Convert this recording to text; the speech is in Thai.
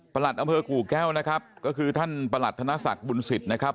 ประหลัดอำเภอกลูกแก้วนะครับก็คือท่านประหลัดธนสัจบุญศิษฎ์นะครับ